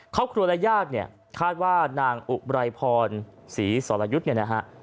ครอบครัวและญาติเนี่ยคาดว่านางอุบรายพรศรีสรยุทธ์เนี่ยนะฮะ